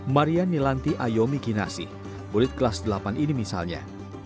maria nilanti ayomi kinasih murid kelas delapan ini misalnya